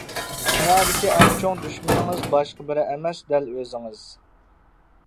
دۇنيادىكى ئەڭ چوڭ دۈشمىنىڭىز باشقا بىرى ئەمەس دەل ئۆزىڭىز.